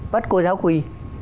bắt cô giáo quỳ